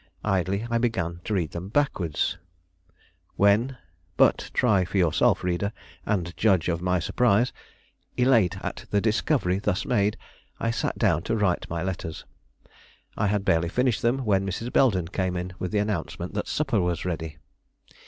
Idly I began to read them backward, when But try for yourself, reader, and judge of my surprise! Elate at the discovery thus made, I sat down to write my letters. I had barely finished them, when Mrs. Belden came in with the announcement that supper was ready.